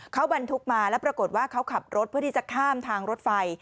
เขาบรรทุกมาแล้วปรากฏว่าเขาขับรถเพื่อที่จะข้ามทางรถไฟ